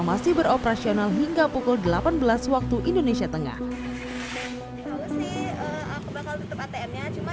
masih beroperasional hingga pukul delapan belas waktu indonesia tengah aku bakal tetap atmnya cuma